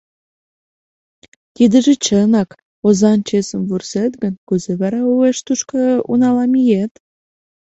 Тидыже чынак, озан чесым вурсет гын, кузе вара уэш тушко унала миет?